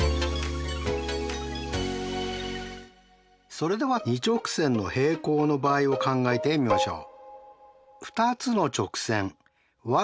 それでは２直線の平行の場合を考えてみましょう。